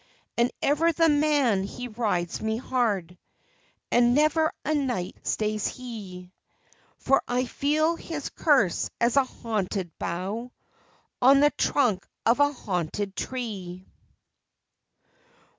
And ever the man he rides me hard, And never a night stays he; For I feel his curse as a haunted bough On the trunk of a haunted tree.